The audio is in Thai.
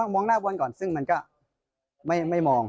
มองหน้าบอลก่อนซึ่งมันก็ไม่มอง